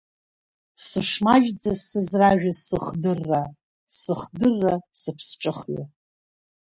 Сышмаҷӡаз сызражәыз Сыхдырра, сыхдырра Сыԥсҿыхҩы!